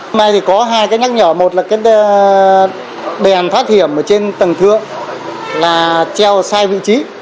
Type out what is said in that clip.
hôm nay thì có hai cái nhắc nhở một là cái đèn thoát hiểm ở trên tầng thượng là treo sai vị trí